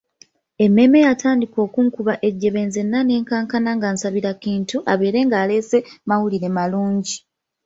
Emmeeme yatandika okunkuba ejjebe nzenna ne nkankana nga nsabirira kimu abeere ng'aleese mawulire malungi.